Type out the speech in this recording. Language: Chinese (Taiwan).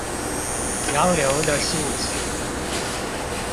洋流的性質